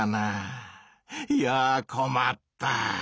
いやこまった！